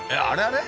あれ？